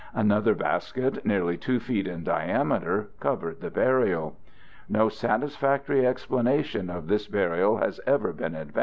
Another basket nearly 2 feet in diameter covered the burial. No satisfactory explanation of this burial has ever been advanced.